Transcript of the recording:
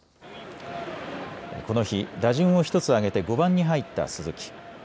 この日、打順を１つ上げて５番に入った鈴木。